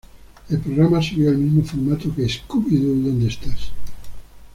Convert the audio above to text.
El programa siguió el mismo formato que "¿Scooby-Doo dónde estás?